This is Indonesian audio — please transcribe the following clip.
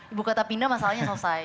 ibu kota pindah masalahnya selesai